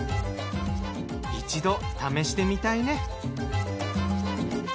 一度試してみたいね。